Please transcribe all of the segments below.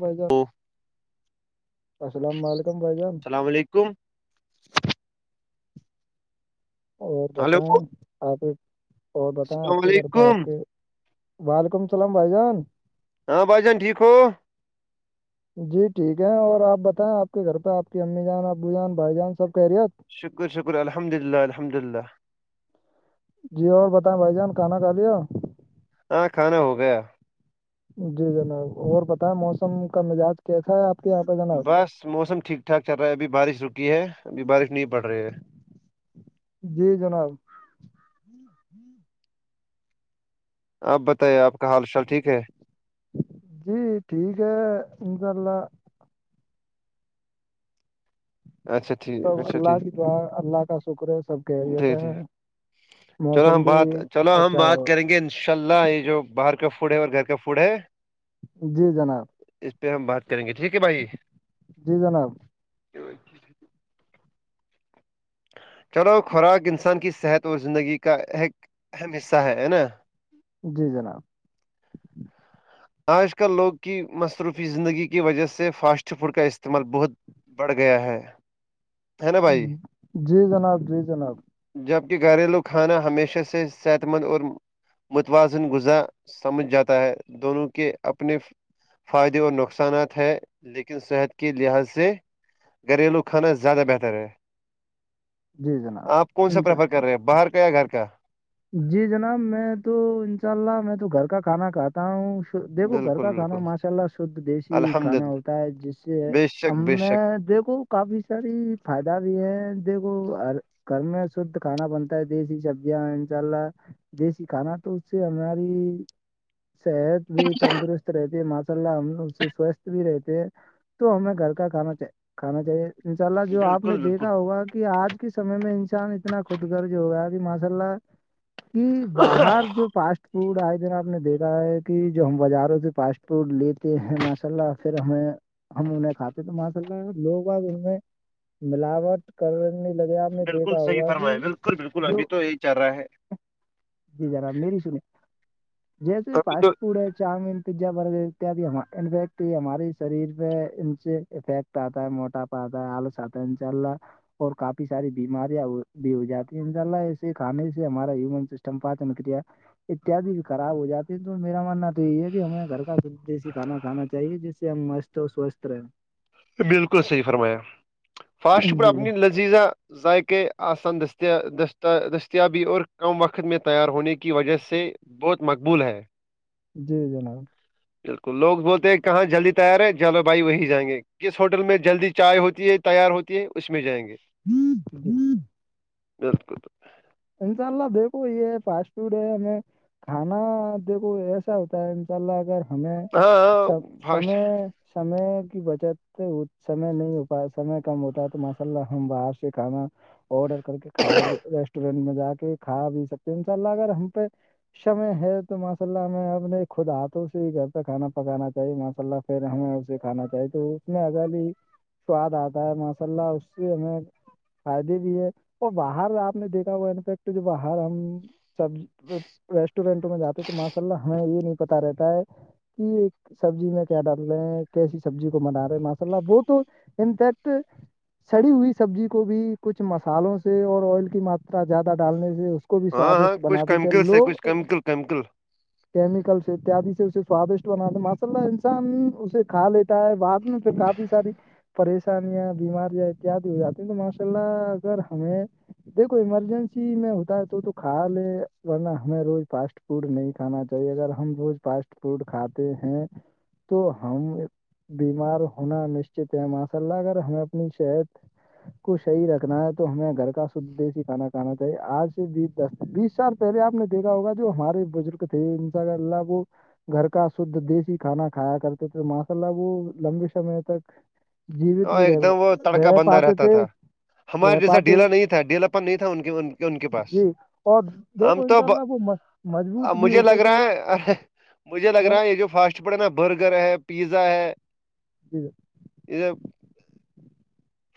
بھائی جان ہلو السلام علیکم بھائی جان کو اور ہلو بتائیں آپ اور بتائیں السلام آپ کے گھر پہ آپ علیکم کے وعلیکم السلام بھائی جان ہاں بھائی جان ٹھیک ہو جی ٹھیک ہے اور آپ بتائیں آپ کے گھر پہ آپ کی امی جان ابو جان بھائی جان سب کہہ رہی آ شکر شکر الحمد للہ الحمد للہ جی اور بتائیں بھائی جان کانا کھا ل ہو ہاں کھانا ہو گیا جی جناب اور پتا ہے موسم کا مزاج کیسا ہے آپ کے یہاں پہ جناب بس موسم ٹھیک ٹھاک چل رہا ہے ابھی بارش رک ہے ابھی بارش نہیں پڑ رہی ہے جی جناب آپ بتائیے آپ کا حال چال ٹھیک ہے جی ٹھیک ہے انشاء اللہ اچھا سب ٹھیک اچھا اللہ ٹھیک کی دعا اللہ کا شکر ہے سب کہریت ٹھیک ہے ٹھیک چلو موسم ہم بھی بات چلو ہم اچھا بات ہو کریں گے انشاء اللہ یہ جو باہر کا فوڈ ہے اور گھر کا فوڈ ہے جی جناب اس پہ ہم بات کریں گے ٹھیک ہے بھائی جی جناب [inaudible] چلو خوراک انسان کی صحت اور زندگی کا ایک اہم حصہ ہے ہے نا جی جناب آج کل لوگ کی مصروفی زندگی کی وجہ سے فاسٹ فوڈ کا استعمال بہت بڑھ گیا ہے ہے نا بھائی جی جناب جی جناب جبکہ گھریلو کھانا ہمیشہ سے صحت مند اور متوازن غذا سمجھ جاتا ہے دونوں کے اپنے فائدے و نقصانات ہے لیکن صحت کے لحاظ سے گھریلو کھانا زیادہ بہتر ہے جی جناب آپ کون سا انشاء پرریفر کر رہے ہیں باہر کا یا گھر کا جی جناب میں تو انشاء اللہ میں تو گھر کا کھانا کھاتا ہوں دیکھو گھر بالکل کا کھانا بالکل ماشاء اللہ شھ دیسی الحمد کھانا للہ ہوتا ہے جس سے بے شک ہم بے میں شک دیکھو کافی ساری فائدہ بھی ہے دیکھو گھر میں شھ کھانا بنتا ہے دیسی سبزیاں چءلہ دیشی کھانا تو سے ہماری صحت بھی تندرست رہتی ہے م ہم لگ اس سے سواستھ بھی رہتے ہیں تو ہمیں گھر کا کھانا کھانا چاہیے انشاء اللہ جو آپ نے بالکل بالکل دیکھا ہوگا کہ آج کے سمے میں انسان اتنا خود گرج ہوگا ماشاء اللہ کہ باہر جو فاسٹ فوڈ آئے دن آپ نے دیکھا ہے کہ جو ہم بازاروں سے پاسٹ فوڈ لیتے ہیں ماشاء اللہ پھر ہمیں ہم انہیں کھاتے تو ماشاء اللہ لوگ اب ان میں ملاوٹ کرنے لگے آپ نے بالکل دیکھا صحیح ہوا کہ فرمایا بالکل بالکل ابھی جو تو یہی چل رہا ہے جی جناب میری سنی جیسے ابھی فاسٹ تو فوڈ ہے چاؤمین پیزا برگر کیافیکٹ ہمارے شریر پہ ان سے افیکٹ اتا ہے موٹاپا اتا ہے آلس اتا ہے انشاءاللہ اور کافی ساری بیماریاں بھی ہو جاتی ہیں انشاء اللہ ایسے کھانے سے ہمارا امون سسٹم پات نکرییا اتیادی بھی خراب ہو جاتے ہیں تو میرا ماننا تو یہی ہے کہ ہمیں گھر کا دیسی کھانا کھانا چاہیے جس سے ہم مست تو سوست ر ہیں بالکل صحیح فرمایا فاسٹ فوڈ پر جی ج اپنی لذیذہ ذائقے آسان دستیابی اور کم وقت میں تیار ہونے کی وجہ سے بہت مقبول ہے جی جناب بالکل لوگ بولتے ہیں کہاں جلدی تیار ہے چلو بھائی وہی جائیں گے کس ہوٹل میں جلدی چائے ہوتی ہے تیار ہوتی ہے اس میں جائیں گے ہوں ہوں [unintelligible] ملت کو [unintelligible] انشاء اللہ دیکھو یہ فاسٹ فوڈ ہے ہمیں کھانا دیکھو ایسا ہوتا ہے انشاء اللہ اگر ہمیں ہاں ہاں سب فاسٹ، سمے سمے کی بچت سمے نہیں ہوتا ہے سمے کم ہوتا ہے تو ماشاء اللہ ہم باہر سے کھانا آڈر کر کے کھا ریسٹ ٹرین میں جا کے کھا پی سکتے ہیں ان شاء اللہ اگر ہم پہ سمے ہے تو ماشا اللہ ہمیں اپنے خود ہاتھوں سے ہی گھر پہ کھانا پکانا چاہیے ماشاء اللہ پھر ہمیں اسے کھانا چاہیے تو اس میں آزاری سواد آتا ہے ماشاء اللہ اس سے ہمیں فائدے بھی ہے اور باہر آپ نے دیکھا ہے انفیکٹ جو باہر ہم سب ریسٹورینٹوں میں جاتے تو ماشاء اللہ ہمیں یہ نہیں پتا رہتا ہے کہ ایک سبزی میں کیا ڈال رہے ہیں کیسی سبزی کو بنا رہے ہیں ماشاء اللہ وہ تو انفیکٹ سڑی ہوئی سبزی کو بھی کچھ مسالوں سے اور آئل کی ماترا زیادہ ڈالنے سے اس کو بھی ہاں ہاں سوادشٹ کچھ بنا دی تھے کیمیکل سے لوگ کچھ کیمیکل کیمیکل کیمیکلس سے تیادی سے اسے سوادشٹ بنا ماشاءاللہ انسان اسے کھا لیتے ہے بعد میں تو کافی ساری پریشانیاں بیماریاں اتیاد ہو جاتی ہیں تو ماشاء اللہ اگر ہمیں دیکھو ایمرجنسی میں ہوتا ہے تو تو کھا لے ورنا ہمیں روز فاسٹ فوڈ نہیں کھانا چاہیے اگر ہم روز فاسٹ فوڈ کھاتے ہیں تو ہم بیمار ہونا نشچت ہے ماشاء اللہ اگر ہمیں اپنی صحت کو صحیح رکھنا ہے تو ہمیں گھر کا دیسی کھانا کھانا چاہے آج سے بیس دس بیس سال پہلے آپ نے دیکھا ہوگا جو ہمارے بزرگ تھ ان گھرلہب [unintelligible] گھر کا شھد دیسی کھانا کھایا کرتے تھے ماشاء اللہ وہ لمبے سمے تک جیوت اور بھی ایک دم وہ رہ تڑکا رہ بندہ پاتے رہتا تھے تھا رہ ہمارے جیسا پاتے ڈھیلا نہیں تھا ڈھیلا پن نہیں تھا ان کی ان کے پاس جی اور ہم دیکھو ان تو شاء اللہ وہ مضبوط بھی مجھے لگ ہوتے تھے رہا ہے مجھے لگ رہا اور ہے یہ جو فاسٹ فوڈ ہے نا برگر ہے پیزا ہے جی یہ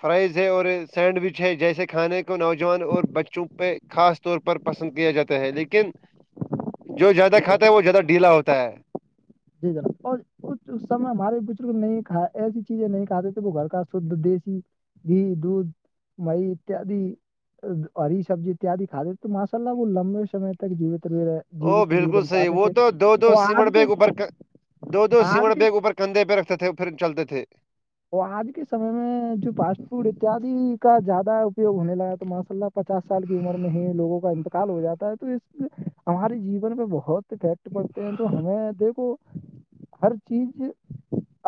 فرائز ہے اور سینڈوچ ہے جیسے کھانے کو نوجوان اور بچوں پہ خاص طور پر پسند کیا جاتے ہیں لیکن جو زیادہ جی کھاتا ہے وہ زیادہ ڈھیلا ہوتا ہے جی جناب اور سم ہمارے بزرگ نہیں کھ ایسی چیزیں نہیں کھاتے تھے وہ گھر کا شد دیسی گھی دودھ مئی اتیاد ہری سبزی اتیاد کھاتے تھے تو ماشا اللہ وہ لمبے سے تک جیوت رہ رہے او جیوت ویر بالکل ان صحیح پاتے وہ تھے تو دو دو وہ آج سیمٹ کے بیگ اوپر ک- دو دو آج سیمٹ کے بیگ اوپر کندے پہ رکھتے تھے پھر چلتے تھے وہ آج کے سمے میں جو فاسٹ فوڈ اتیاد کا زیادہ اپیوگ ہونے لگا تو ماشاء اللہ پچاس سال کی عمر میں ہی لوگوں کا انتقال ہو جاتا ہے تو اس ہمارے جیون پہ بہت افیکٹ پڑتے ہیں تو ہمیں دیکھو ہر چیز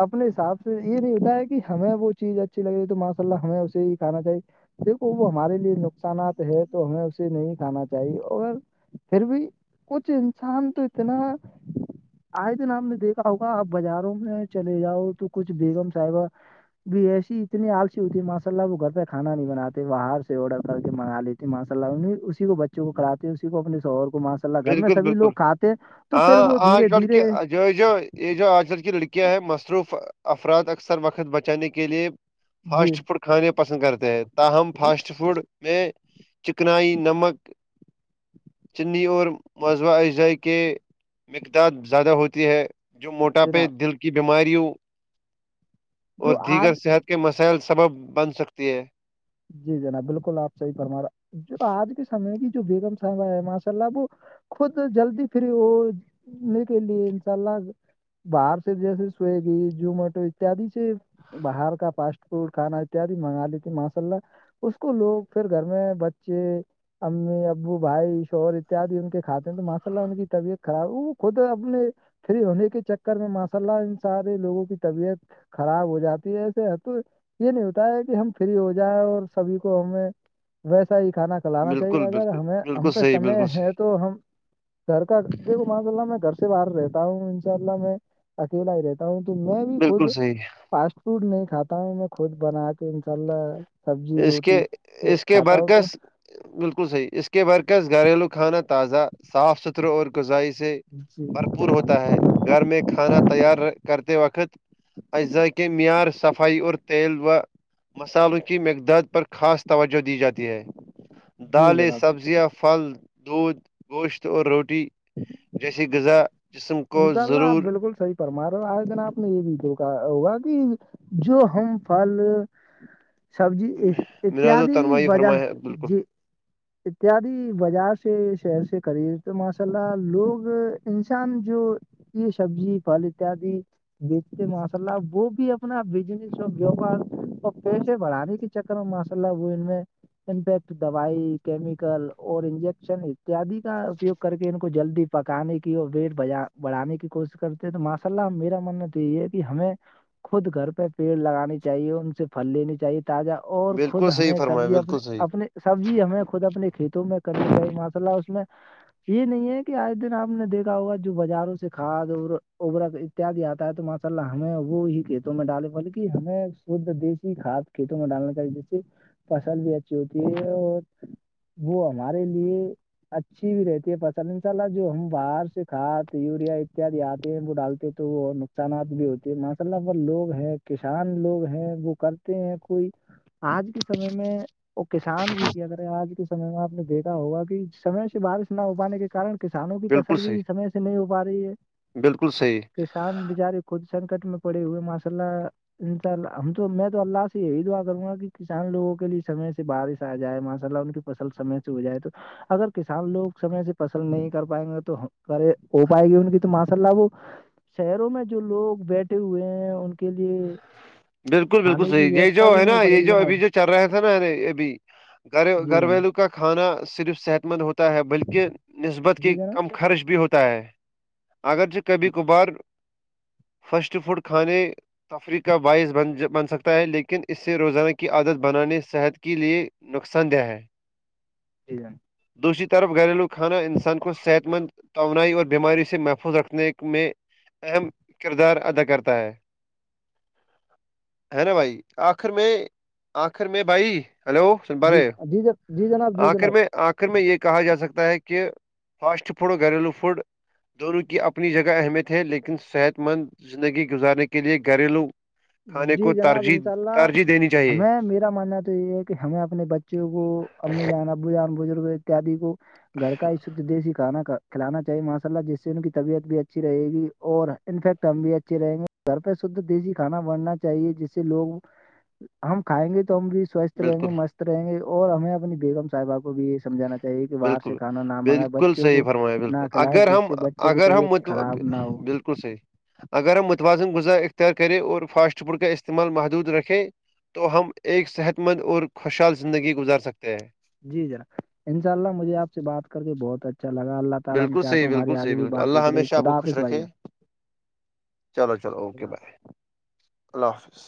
اپنے حساب سے یہ نہیں ہے کہ ہمیں وہ چیز اچھی لگ رہی تو ماشاء اللہ ہمیں اسے ہی کھانا چاہیے دیکھو وہ ہمارے لیے نقصانات ہے تو ہمیں اسے نہیں کھانا چاہیے اور پھر بھی کچھ انسان تو اتنا آئے دن آپ نے دیکھا ہوگا آپ بازاروں میں چلے جاؤ تو کچھ بیگم صاحبہ بھی ایسی اتنی السی ہوتی ہے ماشاء اللہ وہ گھر پہ کھانا نہیں بناتے باہر سے آرڈر کر کے منگا لیتے ہیں ماشاء اللہ انہیں اسی کو بچوں کو کھلاتے ہیں اسی کو اپنے سوہر کو گھر میں بالکل سبھی لوگ بالکل کھاتے ہیں تو پھر ہاں وہ آج دھیرے کل دھیرے کی جو جو یہ جو آج کل کی لڑکیاں ہیں مصروف افراد اکثر وقت بچانے کے لیے جی فاسٹ فڈ کھانے پسند کرتے ہیں تاہم جی فاسٹ فوڈ میں چکنائی نمک چنی اور موضوع اعزائی کے مقداد زیادہ ہوتی ہے جو موٹاپے جناب دل کے کی بیماریوں اور جو آج دیگر صحت کے مسائل سبب بن سکتی ہے جی جناب بالکل آپ صحیح فرما رہا جو آج کے سمے کی جو بیگم صاحبہ ہے ماشاء اللہ وہ خود جلدی فری ہونے کے لیے انشاء اللہ باہر سے جیسے سویگی زمیٹو اتیاد سے باہر کا فاسٹ فوڈ کانا اتیاد منگا لیتی ماشاءاللہ اس کو لوگ پھر گھر میں بچے امی ابو بھائی شوہر اتیادی ان کے کھاتے ہیں تو ماشاء اللہ ان کی طبیعت خراب وہ خود اپنے فری ہونے کے چکر میں ماشاء اللہ ان سارے لوگوں کی طبیعت خراب ہو جاتی ہے ایسے تو یہ نہیں ہوتا ہے کہ ہم فری ہو جائے اور سبھی کو ہمیں ویسا ہی کھانا کھلانا چاہیے بالکل اگر بالکل ہمیں ہم بالکل پہ صحیح سمے بالکل ہے صحیح تو ہم گھر کا دیکھو ماشا اللہ میں گھر سے باہر رہتا ہوں انشاء اللہ میں اکیلا ہی رہتا ہوں تو میں بھی خود بالکل صحیح فاسٹ فوڈ نہیں کھاتا ہوں میں خود بنا کے انشاء اللہ سبزی اس کے روٹی یہ اس کے کھاتا ہوں تو برعکس بالکل صحیح اس کے برعکس گھریلو کھانا تازہ صاف ستھرا اور غذائی سے جی بھرپور ہوتا ہے گھر میں کھانا تیار کرتے وقت اجضا کے معیار صفائی اور تیل و مصالوں کی مقداد پر خاص توجہ دی جاتی ہے جی دالیں جناب سبزیاں پھل دودھ گوشت اور روٹی جیسی غذا جسم کو انشاء اللہ آپ ضرور بالکل صحیح فرما رہے ہو اگر جناب آپ نے یہ بھی دیکھا ہوگا کہ جو ہم پھل سبزی مناد و اتیاد تنمائی وجہ فرمایا جی [inaudible] اتیادی بازار سے شہر سے خریدتے تو ماشاء اللہ لوگ انسان جو یہ سبزی پھل اتیاد بیچتے ماشاء اللہ وہ بھی اپنا بجنس اور بیوار اور پیسے بڑھانے کے چکر میں ماشاءاللہ وہ ان میں امپیکٹ دوائی کیمیکل اور انجیکشن اتیاد کا اپیوگ کر کے ان کو جلدی پکانے کی اور ویٹ بڑھانے کی کوشش کرتے ہیں تو ماشاء اللہ میرا ماننا تو یہ ہے کہ ہمیں خود گھر پہ پیڑ لگانانی چاہیے ان سے پھل لینی چاہیے تازہ اور خود بالکل صحیح ہمیں فرمایا سبزی اپ بالکل صحیح اپنے سبزی ہمیں خود اپنے کھیتوں میں کرنی چاہیے ماشا اللہ اس میں یہ نہیں ہے کہ آیے دن آپ نے دیکھا ہوگا جو بازاروں سے کھاد اور اتیاد آتا ہے تو ماشاء اللہ ہمیں وہی کہ کھیتوں میں ڈالے بولے کی ہمیں شد دیسی کھاد کھیتوں میں ڈالنے کایے جس سے فصل بھی اچھی ہوتی ہے اور وہ ہمارے لیے اچھی بھی رہتی ہے فصل ان شاء اللہ جو ہم باہر سے کھاد یوریا اتیاد آتے ہیں وہ ڈالتے تو وہ نقصانات بھی ہوتے ہیں ماشا اللہ پر لوگ ہیں کسان لوگ ہیں وہ کرتے ہیں کوئی آج کے سمے میں وہ کسان بھی کیا کرے آج کے سمے میں آپ نے دیکھا ہوگا کہ سمے سے بارش نہ ہو پانے کے کارن کسانوں کی بالکل فصل صحیح بھی سمے سے نہیں ہو پا رہی ہے بالکل صحیح کسان بچارے خود سنکٹ میں پڑے ہوئے ماشاء اللہ انشاء اللہ ہم تو میں تو اللہ سے یہی دعا کروں گا کہ کسان لوگوں کے لیے سمے سے بارش آ جائے ماشاء اللہ ان کی فصل سمے سے ہو جائے تو اگر کسان لوگ سمے سے فصل نہیں کر پائیں گے تو کرے ہو پائے گی ان کی تو ماشاءاللہ وہ شہروں میں جو لوگ بیٹھے ہوئے ہیں ان کے لیے بالکل بالکل کھانے کی صحیح یہ جو ویوستھا بھی ہے نہیں ہو نا پائے یہ گی جو جناب ابھی جو چل رہا تھا نا یہ ابھی گھر جی گھر جناب ولو کا کھانا صرف صحت مند ہوتا ہے بلکہ نسبت کے جی جناب کم خرچ بھی ہوتا ہے اگرچہ کبھی کبھار فسٹ فوڈ کھانے تفریح کا باعث بن بن سکتا ہے لیکن اس سے روزانہ کی عادت بنانے صحت کے لیے نقصان دہ ہے [inaudible] دوسری طرف گھریلو کھانا انسان کو صحت مند توانائی اور بیماری سے محفوظ رکھنے میں اہم کردار ادا کرتا ہے ہے نا بھائی آخر میں آخر میں بھائی ہیلو جی جی جی جناب جی جناب آخر میں یہ کہا جا سکتا ہے کہ فاسٹ فوڈ اور گھریلو فوڈ دونوں کی اپنی جگہ اہمیت ہے لیکن صحت مند زندگی گزارنے کے لیے گھریلو کھانے جی کو جناب ترجیح انشاء اللہ ترجیح دینی چاہیے ہمیں میرا ماننا تو یہ ہے کہ ہمیں اپنے بچوں کو امی جان بجان بزرگ اتیاد کو گھر کا دیسی کھانا کا کھلانا چاہے ماشا اللہ جس سے ان کی طبیعت بھی اچھی رہے گی اور انفیکٹ ہم بھی اچھے رہیں گے گھر پہ شدھ دیسی کھانا بننا چاہیے جس سے لوگ ہم کھائیں گے تو ہم بھی سوستھ رہیں گے بالکل مست رہیں گے اور ہمیں اپنی بیگم صاحبہ کو بھی سمجھانا چاہیے صحیح کہ باہر بالکل سے کھانا نہ منگائے بالکل بچوں صحیح کو فرمایا نہ کھلائے جس سے بچوں کی طبیعت تو خراب نہ ہو بالکل صحیح اگر ہم متوازن غذا اختیار کریں اور فاسٹ فوڈ کا استعمال محدود رکھیں تو ہم ایک صحت مند اور خوشحال زندگی گزار سکتے ہیں جی جناب انشاء اللہ مجھے آپ سے بات کر کے بہت اچھا اچھا لگا اللہ تعالی ہم بالکل چاہتے صحیح ہیں ہماری بالکل صحیح اگے بھی بالکل بات اللہ ہوتے رہے ہمیشہ آپ خدا کو خوش حافظ بھائی رکھے جان چلو چلو خدا اوکے حافظ بائے اللہ حافظ